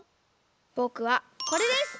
ぼくはこれです！